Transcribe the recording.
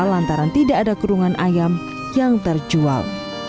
lantaran tidak ada kurungan ayam yang terjual